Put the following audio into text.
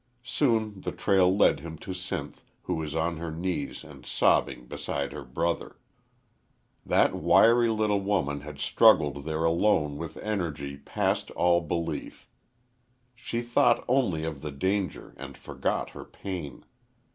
Soon the trail led him to Sinth, who was on her knees and sobbing beside her brother. That wiry little woman had struggled there alone with energy past all belief. She thought only of the danger and forgot her pain.